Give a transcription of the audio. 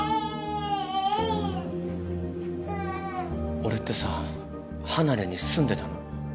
俺ってさ離れに住んでたの？